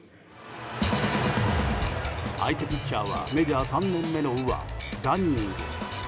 相手ピッチャーはメジャー３年目の右腕ダニング。